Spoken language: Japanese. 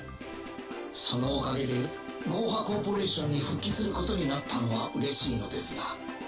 そのおかげでゴーハ・コーポレーションに復帰することになったのはうれしいのですが。